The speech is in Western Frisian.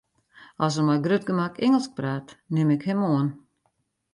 As er mei grut gemak Ingelsk praat, nim ik him oan.